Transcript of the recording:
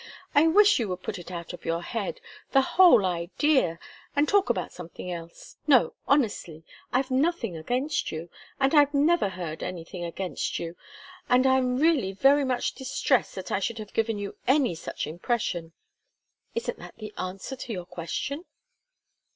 I wish you would put it out of your head the whole idea and talk about something else. No, honestly, I've nothing against you, and I never heard anything against you. And I'm really very much distressed that I should have given you any such impression. Isn't that the answer to your question?"